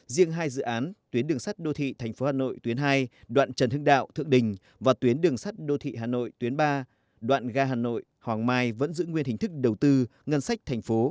riêng hai dự án tuyến đường sắt đô thị thành phố hà nội tuyến hai đoạn trần hưng đạo thượng đình và tuyến đường sắt đô thị hà nội tuyến ba đoạn ga hà nội hoàng mai vẫn giữ nguyên hình thức đầu tư ngân sách thành phố